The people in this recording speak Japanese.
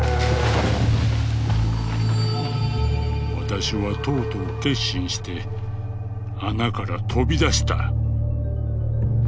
「私はとうとう決心して穴から飛び出した」。